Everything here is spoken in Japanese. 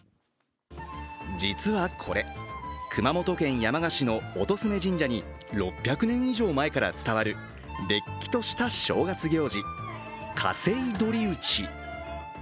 実はこれ、熊本県山鹿市の乙皇神社に６００年以上前から伝わるれっきとした正月行事、かせいどりうち。